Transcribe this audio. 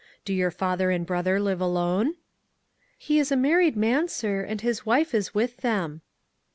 Do your father and brother live alone?" " He is a married man, sir, and his wife is with them."